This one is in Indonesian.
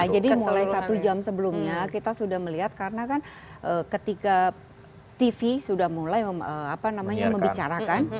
jadi mulai satu jam sebelumnya kita sudah melihat karena kan ketika tv sudah mulai membicarakan